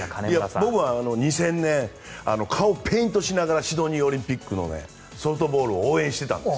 僕は２０００年顔にペイントしながらシドニーオリンピックのソフトボールを応援していたんです。